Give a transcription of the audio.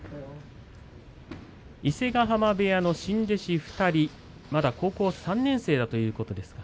伊勢ヶ濱部屋の新弟子２人まだ高校３年生だということですが